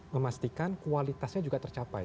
memastikan kualitasnya juga tercapai